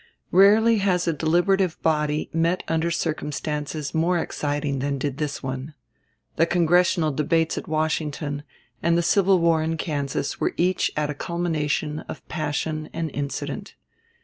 Rarely has a deliberative body met under circumstances more exciting than did this one. The Congressional debates at Washington and the civil war in Kansas were each at a culmination of passion and incident.